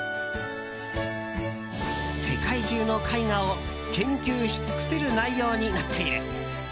世界中の絵画を研究し尽くせる内容になっている。